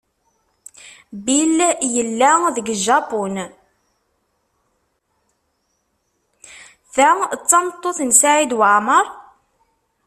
Ta d tameṭṭut n Saɛid Waɛmaṛ?